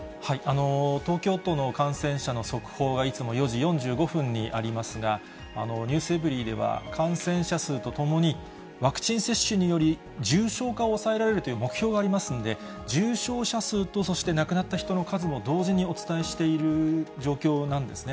東京都の感染者の速報が、いつも４時４５分にありますが、ｎｅｗｓｅｖｅｒｙ．では、感染者数とともにワクチン接種により、重症化を抑えられるという目標がありますので、重症者数と、そして亡くなった人の数も同時にお伝えしている状況なんですね。